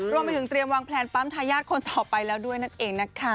รวมไปถึงเตรียมวางแพลนปั๊มทายาทคนต่อไปแล้วด้วยนั่นเองนะคะ